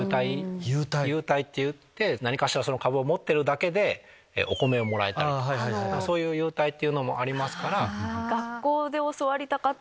優待っていってその株を持ってるだけでお米をもらえたりとかそういう優待っていうのもありますから。